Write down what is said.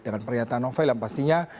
dengan pernyataan novel yang pastinya